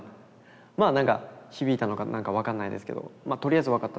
まあなんか響いたのかなんか分かんないですけど「とりあえず分かった。